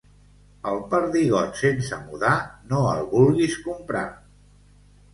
El perdigot sense mudar no el vulguis comprar.